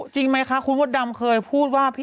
จริงไหมคะคุณมดดำเคยพูดว่า